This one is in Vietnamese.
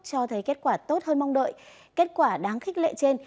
cho thấy kết quả tốt hơn mong đợi kết quả đáng khích lệ trên